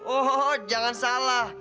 oh jangan salah